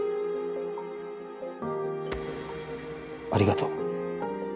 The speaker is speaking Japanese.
ありがとう。